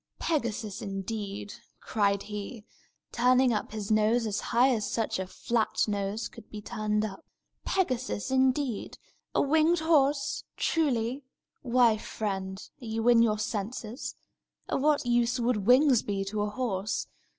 "Pegasus, indeed!" cried he, turning up his nose as high as such a flat nose could be turned up "Pegasus, indeed! A winged horse, truly! Why, friend, are you in your senses? Of what use would wings be to a horse?